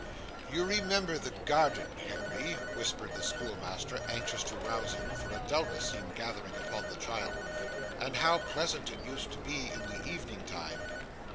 'You remember the garden, Harry,' whispered the schoolmaster, anxious to rouse him, for a dulness seemed gathering upon the child, 'and how pleasant it used to be in the evening time?